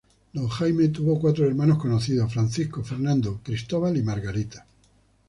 Don Jaime tuvo cuatro hermanos conocidos: Francisco, Fernando, Cristóbal y Margarita.